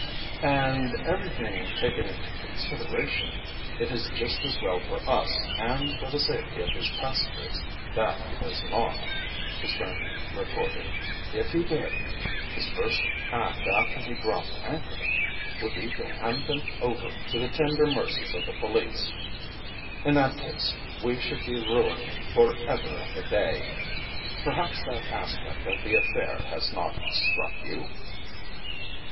"And, everything taken into consideration, it is just as well for us and for the safety of his passengers that he does not," his friend retorted. "If he did, his first act after he dropped anchor would be to hand them over to the tender mercies of the Police. In that case we should be ruined for ever and a day. Perhaps that aspect of the affair has not struck you?"